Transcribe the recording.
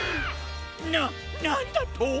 ななんだと！？